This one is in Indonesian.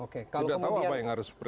sudah tahu apa yang harus